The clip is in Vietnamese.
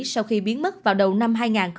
sau khi biến mất vào đầu năm hai nghìn hai mươi